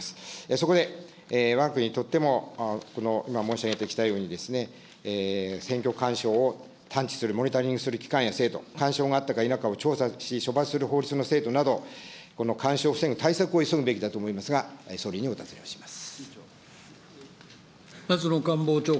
そこでわが国にとっても今申し上げてきたように、選挙干渉を探知する、モニタリングする機械や制度、干渉があったか否かを調査し処罰する制度など、干渉を防ぐ対策を急ぐべきだと思いますが、総理にお尋ねをします。